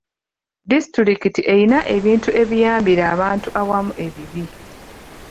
Disitulikiti erina ebintu ebiyambira abantu awamu ebibi.